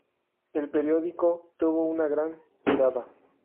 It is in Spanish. El periódico tuvo una gran tirada.